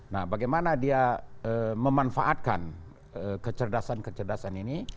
nah bagaimana dia memanfaatkan kecerdasan kecerdasan ini